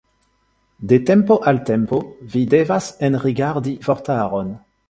De tempo al tempo vi devas enrigardi vortaron.